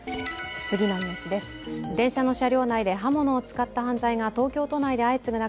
電車の車両内で刃物を使った犯罪が東京都内で相次ぐ中